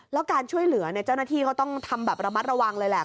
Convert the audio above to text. แล้วการช่วยเหลือเจ้าหน้าที่เขาต้องทำแบบระมัดระวังเลยแหละ